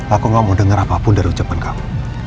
aku gak mau dengar apapun dari ucapan kamu